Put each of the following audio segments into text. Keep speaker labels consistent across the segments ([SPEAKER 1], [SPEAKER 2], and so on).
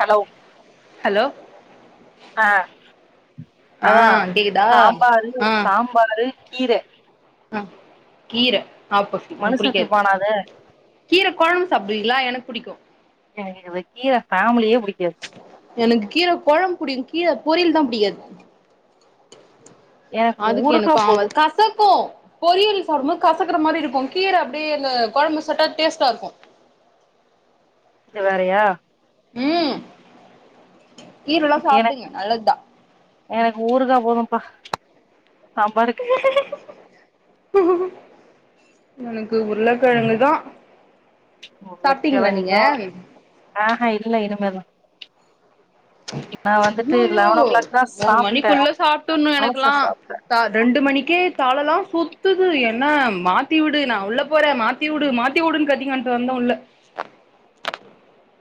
[SPEAKER 1] Hello
[SPEAKER 2] hello
[SPEAKER 1] ஆ
[SPEAKER 2] ஆ
[SPEAKER 1] அதா
[SPEAKER 2] கேக்குதா
[SPEAKER 1] சாம்பாரு
[SPEAKER 2] ஆ
[SPEAKER 1] சாம்பாரு கீர
[SPEAKER 2] ஆ கீர ஆப்போசிட் எனக்கு
[SPEAKER 1] மனுச
[SPEAKER 2] புடிக்காது
[SPEAKER 1] திம்பானா அத
[SPEAKER 2] கீர கொழம்பு சாப்புடுவீங்களா எனக் புடிக்கு
[SPEAKER 1] எனக்கு இந்த கீர ஃபேமிலியே புடிக்காது
[SPEAKER 2] எனக்கு கீர கொழம் புடிக்கு கீர பொரியல் தாம் புடிக்காது
[SPEAKER 1] எனக்கு
[SPEAKER 2] அதுக்
[SPEAKER 1] ஊருகா
[SPEAKER 2] எனக்கு
[SPEAKER 1] போது
[SPEAKER 2] ஆவாது‌ கசக்கு பொரியல் சாப்புடும்போது கசக்கற மாரி இருக்கு கீர அப்டியே இந்த கொழம்பு சாப்டா டேஸ்ட்டா இருக்கு
[SPEAKER 1] இது வேறயா
[SPEAKER 2] ம் கீரெல்லா
[SPEAKER 1] எனக்கு
[SPEAKER 2] சாப்புடுங்க நல்லதா
[SPEAKER 1] எனக்கு ஊறுகா போதும்ப்பா சாம்பாருக்கு
[SPEAKER 2] எனக்கு உருளக்கெழங்குதா சாப்ட்டீங்களா நீங்க
[SPEAKER 1] ஆ ஹா இல்ல இனிமேதா நா வந்துட்டு
[SPEAKER 2] அய்யோயோ
[SPEAKER 1] லெவன் ஓ கிளாக் தா
[SPEAKER 2] ஒரு
[SPEAKER 1] சாப்ட்டே
[SPEAKER 2] மணிக்குள்ள சாப்டுன்னும்
[SPEAKER 1] தோச
[SPEAKER 2] எனக்குலாம்
[SPEAKER 1] சாப்ட்டே
[SPEAKER 2] சாட் ரெண்டு மணிக்கே தலலா சுத்துது என்ன மாத்தி விடு நா உள்ள போற மாத் மாத்தி உடு மாத்தி உடுன் கத்தின்னுகடந்து வந்த உள்ள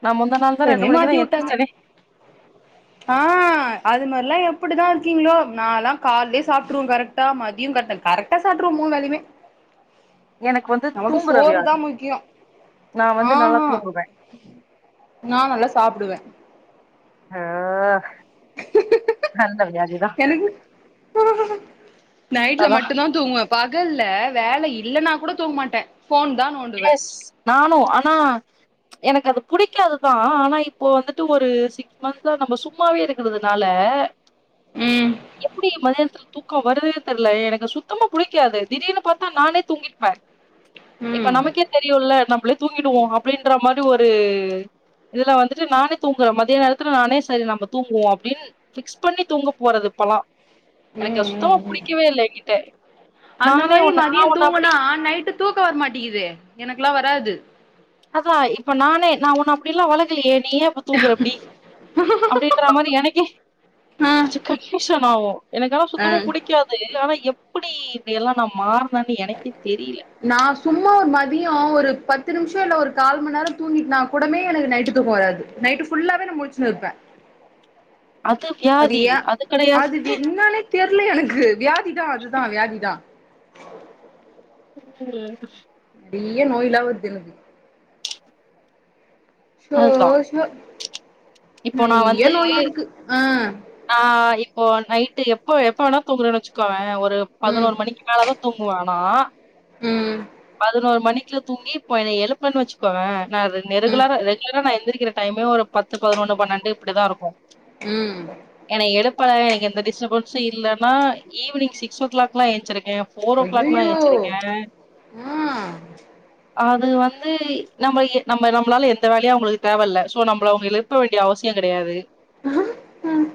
[SPEAKER 1] நா முந்தா நாள் தா ரெண்டு
[SPEAKER 2] அப்புறமே
[SPEAKER 1] மணிக்குதா
[SPEAKER 2] மாத்தி விட்டாங்க
[SPEAKER 1] எந்துருச்சனே
[SPEAKER 2] [inaudible] ஆ அது மாரிலா எப்புடிதா இருக்கீங்களோ நால்லா கால்லயே சாப்ட்ருவ கரெக் ட்டா மதியோங் காட்ன கரெக்ட்டா கரெக்டா சாப்ட்ருவ மூணு வேலையுமே
[SPEAKER 1] எனக்கு வந்து
[SPEAKER 2] நமக்கு
[SPEAKER 1] தூங்குற
[SPEAKER 2] சோறு தா
[SPEAKER 1] வியாதி
[SPEAKER 2] முக்கியோ
[SPEAKER 1] நா வந்து நல்லா
[SPEAKER 2] ஆஹா
[SPEAKER 1] தூங்குவே
[SPEAKER 2] நா நல்லா சாப்புடுவ
[SPEAKER 1] அயோ
[SPEAKER 2] எனக்கு நைட்ல
[SPEAKER 1] அதா
[SPEAKER 2] மட்டுந்தா தூங்குவ பகல்ல வேலை இல்லன்னா கூட தூங்க மாட்ட ஃபோன் தா நோண்
[SPEAKER 1] எஸ் நானு ஆனா எனக்கு அது புடிக்காதுதா ஆனா இப்போ வந்துட்டு ஒரு சிக் மந்த்தா நம்ம சூப் சும்மாவே இருக்கறதுனால
[SPEAKER 2] ம்
[SPEAKER 1] எப்புடி மதியானத்துல தூக்கோ வருதுன்னே தெர்ல எனக்கு சுத்தமா புடிக்காது திடீர்னு பாத்தா நானே தூங்கிர்ப்ப இப்ப
[SPEAKER 2] ம்
[SPEAKER 1] நமக்கே தெரியுல்ல நம்மளே தூங்கிடுவோ அப்டின்ற மாரி ஒரு இதுல வந்துட்டு நானே தூங்கற மதிய நேரத்துல நானே சேரி நம்ம தூங்குவோ அப்டின் ஃபிக்ஸ் பண்ணி தூங்க போறது இப்பல்லா
[SPEAKER 2] ம்
[SPEAKER 1] எனக்கு அது சுத்தமா
[SPEAKER 2] ம் ம்
[SPEAKER 1] புடிக்கவே இல்ல எங்கிட்ட நானே ஒன்னு நா ஒன்னு அப்புடி
[SPEAKER 2] தூக்கோ வரமாட்டிக்குது எனக்குலா வராது
[SPEAKER 1] அதா இப்போ நானே நா உன்ன அப்டி எல்லா வளக்குலயேன் நீ ஏ இப்ப தூங்குற இப்டி அப்டின்ற மாரி எனக்கே
[SPEAKER 2] ஆ
[SPEAKER 1] கொஞ்சோ கண்பியூஷன் ஆவு எனக்குன்னா
[SPEAKER 2] ஆ
[SPEAKER 1] சுத்தமா புடி க்காது ஆனா எப்புடி இப்டியெல்லா நா மாறுனனே எனக்கே தெரியில
[SPEAKER 2] நா சும்மா ஒரு மதியோ ஒரு பத்து நிம்ஷோ இல்ல ஒரு கால்மன் நேரோ தூங்கிட்னா கூடமே எனக்கு நைட்டு தூக்கோ வராது நைட்டு ஃபுல்லாவே நா முழுச்சுனு இருப்ப
[SPEAKER 1] அது வியாதி அது கெடையாது
[SPEAKER 2] தெர்லியே எனக்கு வியாதிதா அதுதா வியாதி தா
[SPEAKER 1] ம்
[SPEAKER 2] நீயே நோயில்லாம இருக்கு எனக்கு சோ
[SPEAKER 1] அதுதான்.
[SPEAKER 2] சோ
[SPEAKER 1] இப்போ
[SPEAKER 2] நறையா நோய் இருக்கு ஆ
[SPEAKER 1] ஆ இப்போ நைட்டு எப்போ எப்ப வேணா தூங்குறன்னு வெச்சுக்கோவே ஒரு
[SPEAKER 2] ம்
[SPEAKER 1] பதுனோரு மணிக்கு மேலதா தூங்குவ நா
[SPEAKER 2] ம்
[SPEAKER 1] பதுனோரு மணிக்கு தூங்கி இப்போ என்ன எழுப்பண்ணு வச்சுகோவே நா அது
[SPEAKER 2] ம்
[SPEAKER 1] நெருகுலரா ரெ குலரா நா எந்திரிக்கிற டைமே ஒரு பத்து பதினொன்னு பன்னெண்டு இப்டிதா இருக்கு
[SPEAKER 2] ம்
[SPEAKER 1] என்ன எலுப்ப எனக்கு எந்த டிஸ்டப்பன்ஸு இல்லன்னா ஈவ்னிங் சிக்ஸ் ஓ கிளாக்லா ஏஞ்ச்சிருக்கே ஃபோர் ஓ கிளாக்லா ஏஞ்ச்சிருக்கே
[SPEAKER 2] ம்
[SPEAKER 1] அது வந்து நம்ம எ நம்ம நம்மளால எந்த வேலையு அவுங்களுக்கு தேவெல்ல சோ நம்மள அவங்க எழு ப்ப வேண்டிய அவசியோ கெடையாது
[SPEAKER 2] ம் ம்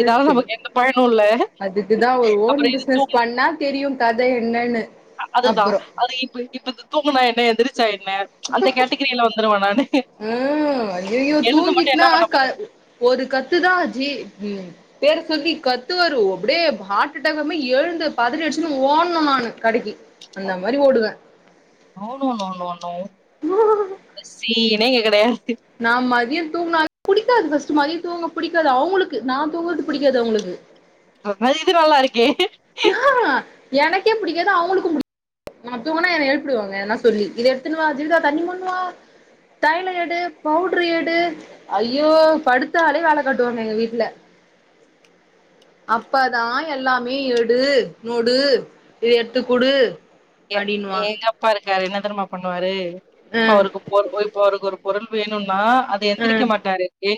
[SPEAKER 1] இதால நமக்கு எந்த பயனு இல்ல
[SPEAKER 2] அதுக்குதா ஒரு ஓன்
[SPEAKER 1] அப்புறோ இது
[SPEAKER 2] பிஸ்னஸ்
[SPEAKER 1] தூங்குனா
[SPEAKER 2] பண்ணா தெரியும கத என்னான்னு
[SPEAKER 1] அ அதுதா அது இப்ப இப்ப து தூங்குனா என்ன எந்திரிச்சா என்ன அந்த கேட்டகிரில வந்துருவ நானு
[SPEAKER 2] ம் ஐயையோ
[SPEAKER 1] எழுந்து மட்டு
[SPEAKER 2] தூங்கிட்னா
[SPEAKER 1] என்னா பண்ண
[SPEAKER 2] க
[SPEAKER 1] போது
[SPEAKER 2] ஒரு கத்துதா ஜி ம் பேர சொல்லி கத்துவாரு அப்டியே பாட்டுதாங்காம எழுந்து பதரியடுச்சுன்னு ஓடனு நானு கடைக்கி அந்த மாரி ஓடுவ
[SPEAKER 1] நோ நோ நோ நோ சீனே இங்க கெடையாது
[SPEAKER 2] நா மதியோ தூங்க்னாலே புடிக்காது ஃபஸ்ட்டு மதியோ தூங்க புடிக்காது அவுங்குளுக்கு நா தூங்கற்து புடிக்காது அவுங்களுக்கு
[SPEAKER 1] ஆ இது நல்லா இருக்கே
[SPEAKER 2] நாஎனக்கே புடிக்காது அவுங்குளுக்கு புடிக்காது நா தூங்கனா என எழுப்பிடுவாங்க எதனா சொல்லி இத எடுத்துனு வா ஜீவிதா அத எடுத்துவா தண்ணி மொண்டு வா தைலோ எடு பவுட்று எடு ஐயோ படுத்தாலே வேல காட்டுவாங்க எங்க வீட்டுல அப்பதா எல்லாமே எடு இது மூடு இத எத்து குடு
[SPEAKER 1] எ
[SPEAKER 2] அப்டின்னுவாங்க
[SPEAKER 1] எங்க அப்பா இருக்காரே என்ன தெரிமா பண்ணுவாரு
[SPEAKER 2] அ
[SPEAKER 1] இப்ப அவருக்கு பொறு ஒயிப் இப்ப அவருக்கு ஒரு பொருள் வேணுனா அத
[SPEAKER 2] அ
[SPEAKER 1] எந்திரிக்க மாட்டாரு ஏ